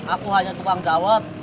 aku hanya tukang jawat